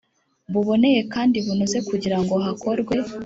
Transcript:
Buboneye kandi bunoze kugirango hakorwe